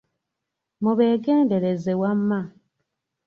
Mubeegendereze wamma.